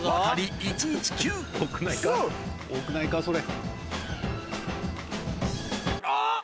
多くないかそれ。